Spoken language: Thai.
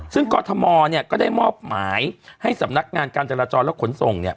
ซึ่งกอทมก็ได้มอบหมายให้สำนักงานการจรจรและขนส่ง